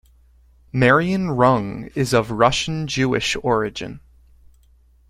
Marion Rung is of Russian Jewish origin.